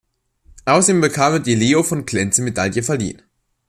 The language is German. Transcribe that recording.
Außerdem bekam er die Leo-von-Klenze-Medaille verliehen.